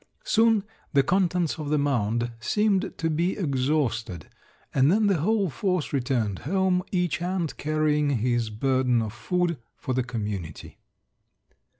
Soon the contents of the mound seemed to be exhausted, and then the whole force returned home, each ant carrying his burden of food for the community."